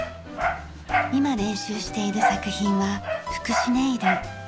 今練習している作品は「福祉ネイル」。